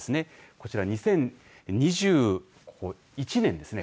こちら２０２１年ですね。